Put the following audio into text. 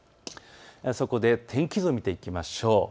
そこで天気図を見ていきましょう。